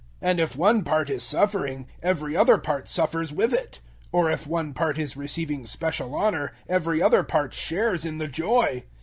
012:026 And if one part is suffering, every other part suffers with it; or if one part is receiving special honor, every other part shares in the joy.